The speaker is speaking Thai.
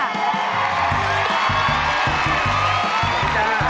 สวัสดีค่ะ